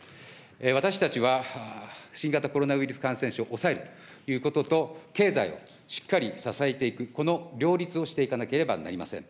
私たちは新型コロナウイルス感染症を抑えるということと、経済をしっかり支えていく、この両立をしていかなければなりません。